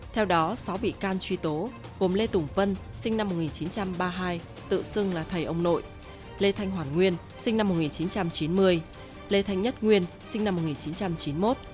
theo đó sáu bị can truy tố gồm lê tùng vân sinh năm một nghìn chín trăm ba mươi hai tự xưng là thầy ông nội lê thanh hoàn nguyên sinh năm một nghìn chín trăm chín mươi lê thanh nhất nguyên sinh năm một nghìn chín trăm chín mươi một